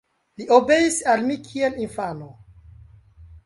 Li obeis al mi kiel infano.